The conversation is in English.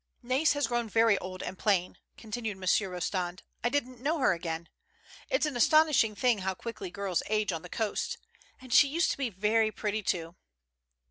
"Nais has grown very old and plain," continued Mon sieur Eostand. " I didn't know her again. It's an astonishing thing how quickly girls age on the coast ; and she used to be very pretty, too."